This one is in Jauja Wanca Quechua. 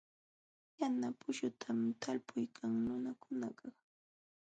Yana pushtutam talpuykan nunakunakaq.